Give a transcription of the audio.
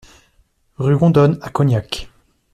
Rue Gaudonne à Cognac